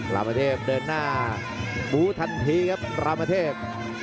รามเทพเดินหน้าบูทันทีครับรามเทพ